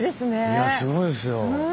いやすごいですよ。